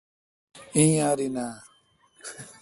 ایّیارینہ